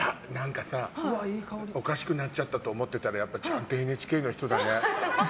おかしくなっちゃったと思ってたらやっぱちゃんとＮＨＫの人だね。